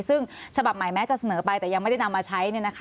ซึ่งฉบับใหม่แม้จะเสนอไปแต่ยังไม่ได้นำมาใช้